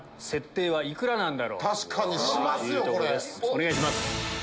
お願いします。